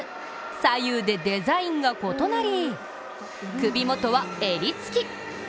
左右でデザインが異なり首元は襟付き！